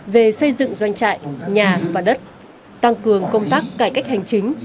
về xây dựng doanh trại nhà và đất tăng cường công tác cải cách hành chính